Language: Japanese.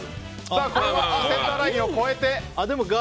センターラインを越えて。